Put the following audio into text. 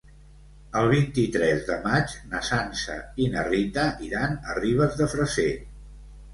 El vint-i-tres de maig na Sança i na Rita iran a Ribes de Freser.